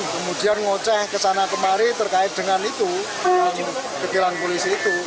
kemudian ngocek ke sana kemari terkait dengan itu ke tilang polisi itu